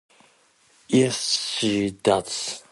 yes hear that